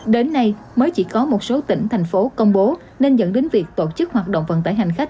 đến nay mới chỉ có một số tỉnh thành phố công bố nên dẫn đến việc tổ chức hoạt động vận tải hành khách